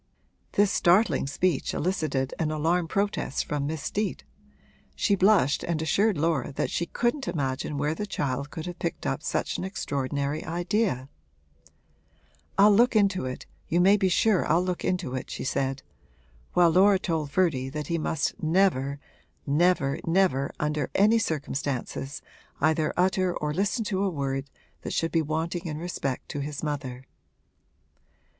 This startling speech elicited an alarmed protest from Miss Steet; she blushed and assured Laura that she couldn't imagine where the child could have picked up such an extraordinary idea. 'I'll look into it you may be sure I'll look into it,' she said; while Laura told Ferdy that he must never, never, never, under any circumstances, either utter or listen to a word that should be wanting in respect to his mother.